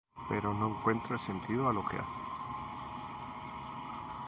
Pero no encuentra sentido a lo que hace.